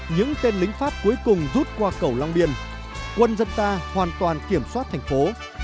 những tên lính pháp cuối cùng rút qua cầu long biên quân dân ta hoàn toàn kiểm soát thành phố